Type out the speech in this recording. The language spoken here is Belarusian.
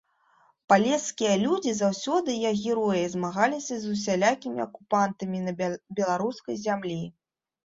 Палескія людзі заўсёды, як героі, змагаліся з усялякімі акупантамі на беларускай зямлі.